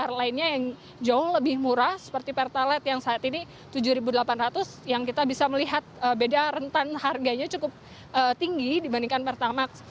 harga lainnya yang jauh lebih murah seperti pertalite yang saat ini tujuh delapan ratus yang kita bisa melihat beda rentan harganya cukup tinggi dibandingkan pertamax